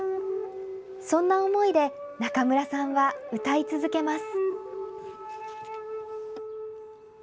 そんな思いで、中村さんは歌い続けます。